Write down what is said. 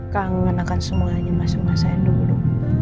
kangen akan semuanya masa masa yang dulu